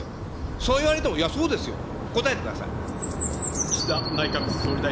そう言われても、いや、そうですよ。答えてください。